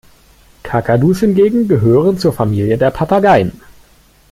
Kakadus hingegen gehören zur Familie der Papageien.